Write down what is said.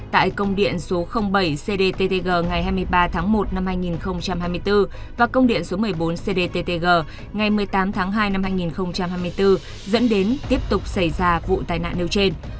tại công điện số bảy cdttg ngày hai mươi ba tháng một năm hai nghìn hai mươi bốn và công điện số một mươi bốn cdttg ngày một mươi tám tháng hai năm hai nghìn hai mươi bốn dẫn đến tiếp tục xảy ra vụ tai nạn nêu trên